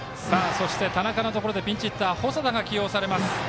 そして田中のところでピンチヒッター細田が起用されます。